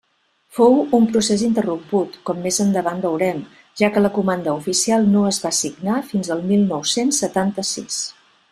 Fou un procés interromput, com més endavant veurem, ja que la comanda oficial no es va signar fins al mil nou-cents setanta-sis.